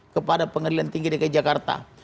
kepada pengadilan tinggi dki jakarta